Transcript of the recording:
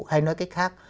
hay nói cách khác